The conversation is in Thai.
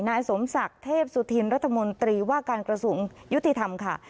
นายสมศักดิ์เทพสุธินรัฐมนตรีว่าการกระทรวงยุติธรรมค่ะ